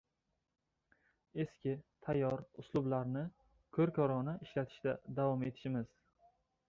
Eski, tayor uslublarni ko‘r-ko‘rona ishlatishda davom etishimiz